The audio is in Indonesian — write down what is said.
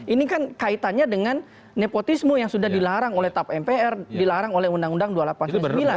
ini kan kaitannya dengan nepotisme yang sudah dilarang oleh tap mpr dilarang oleh undang undang dua puluh delapan tahun dua ribu sembilan